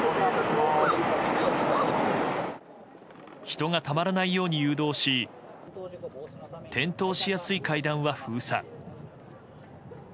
人がたまらないように誘導し転倒しやすい階段は封鎖。